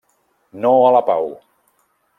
No a la pau.